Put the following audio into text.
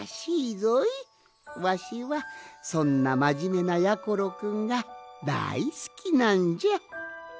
わしはそんなまじめなやころくんがだいすきなんじゃ。